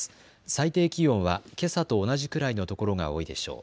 最低気温はけさと同じくらいのところが多いでしょう。